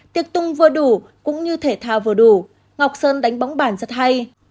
tiệc tung vừa đủ cũng như thể thao vừa đủ ngọc sơn đánh bóng bản rất hay